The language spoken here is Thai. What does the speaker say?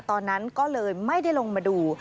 ตอนนั้นก็เลยไม่ได้ลงมาดู